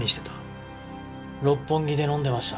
六本木で飲んでました。